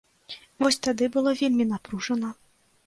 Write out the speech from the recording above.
Вось тады было вельмі напружана.